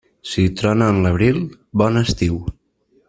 Si trona en l'abril, bon estiu.